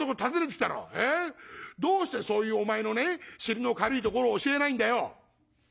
どうしてそういうお前のね尻の軽いところを教えないんだよ」。